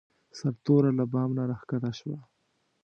سرتوره له بام نه راکښته شوه.